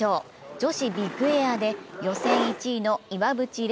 女子ビッグエアで予選１位の岩渕麗